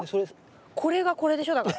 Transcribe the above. これがこれでしょ？だから。